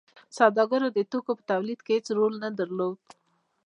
سوداګرو د توکو په تولید کې هیڅ رول نه درلود.